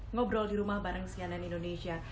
ngobrol di rumah bareng cnn indonesia